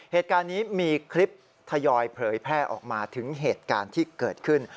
เหตุการณ์นี้มีคลิปทยอยเผยแพร่ออกมาถึงเหตุการณ์ที่เกิดขึ้น